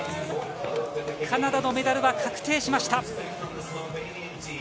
カナダのメダルは確定しました。